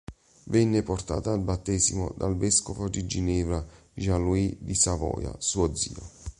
Venne "portata al battesimo" dal vescovo di Ginevra, Jean-Louis di Savoia, suo zio.